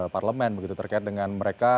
parlemen begitu terkait dengan mereka